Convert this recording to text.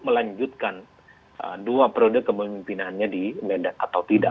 melanjutkan dua periode kemimpinannya di medan atau tidak